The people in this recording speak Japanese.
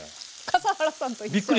笠原さんと一緒。